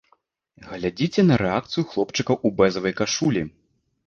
Глядзіце на рэакцыю хлопчыка ў бэзавай кашулі.